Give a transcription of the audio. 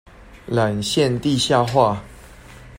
纜線地下化